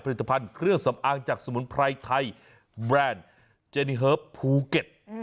ผลิตภัณฑ์เครื่องสำอางจากสมุนไพรไทยแบรนด์เจนิเฮิร์ฟภูเก็ต